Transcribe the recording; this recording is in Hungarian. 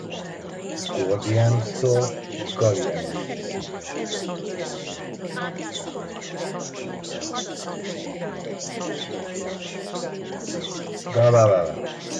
Gordianustól Gallienusig.